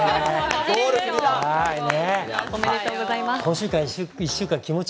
おめでとうございます。